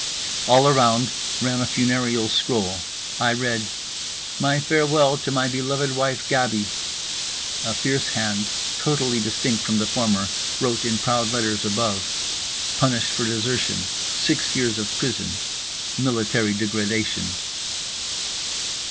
All around ran a funereal scroll. I read: "My farewell to my beloved wife, Gaby." A fierce hand, totally distinct from the former, wrote in proud letters above: "Punished for desertion. Six years of prison—military degradation."